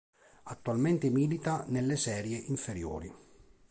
Attualmente milita nelle serie inferiori.